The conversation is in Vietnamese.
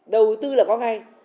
đầu tư là có ngay